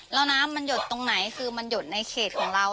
แล้วน้ำมันหยดตรงไหนคือมันหยดในเขตของเรา